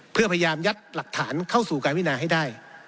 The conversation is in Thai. เพื่อพยายามยัดหลักฐานเข้าสู่การวินาให้ได้